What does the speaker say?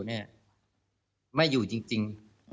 ไม่อยู่จริง